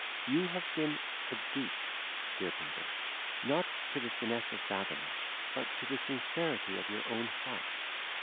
You have been a dupe, dear brother, not to the finesse of Fathom, but to the sincerity of your own heart.